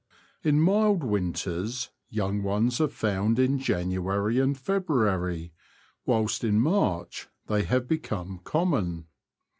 In mild winters young ones are found in January and February, whilst in March they have become common.